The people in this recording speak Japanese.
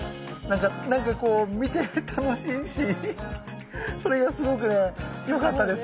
なんかこう見ていて楽しいしそれがすごくねよかったです。